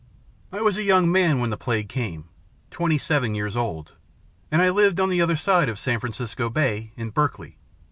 "I was a young man when the Plague came twenty seven years old; and I lived on the other side of San Francisco Bay, in Berkeley.